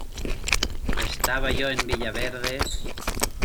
Estaba yo en villaverde.